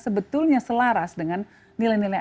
sebetulnya selaras dengan nilai nilai